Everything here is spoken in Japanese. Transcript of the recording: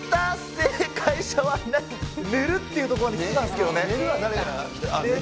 正解者はいない、寝るっていうところはきてたんですけどね。